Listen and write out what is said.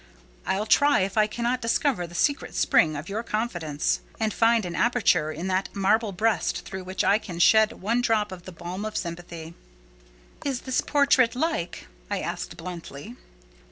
I'll try if I cannot discover the secret spring of your confidence, and find an aperture in that marble breast through which I can shed one drop of the balm of sympathy." "Is this portrait like?" I asked bluntly.